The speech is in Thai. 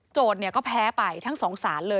ก็แพ้ไปทั้งสองสารเลย